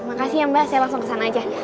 makasih ya mbak saya langsung ke sana aja